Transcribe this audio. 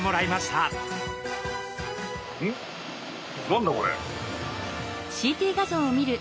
何だこれ？